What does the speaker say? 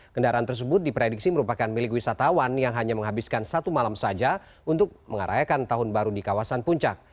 kendaraan tersebut diprediksi merupakan milik wisatawan yang hanya menghabiskan satu malam saja untuk mengarayakan tahun baru di kawasan puncak